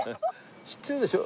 知ってるでしょ？